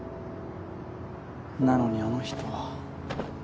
なのにあの人は。